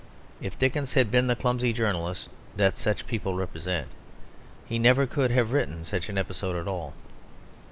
If Dickens had been the clumsy journalist that such people represent, he never could have written such an episode at all.